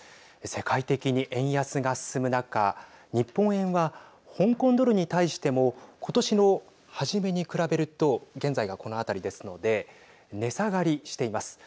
世界的に円安が進む中日本円は、香港ドルに対してもことしの初めに比べると現在が、この辺りですので値下がりしています。